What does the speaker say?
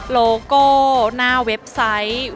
โลโก้หน้าเว็บไซต์